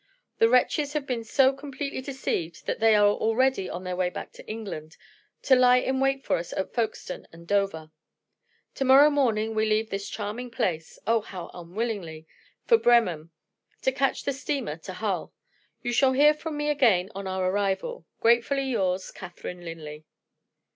The wretches have been so completely deceived that they are already on their way back to England, to lie in wait for us at Folkestone and Dover. To morrow morning we leave this charming place oh, how unwillingly! for Bremen, to catch the steamer to Hull. You shall hear from me again on our arrival. Gratefully yours, "CATHERINE LINLEY."